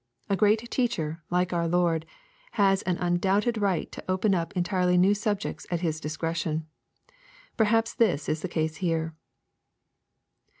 A great teacher, like our Lord, has an undoubted right to open up entirely new subjects at His discretion. Perhaps this is the case here.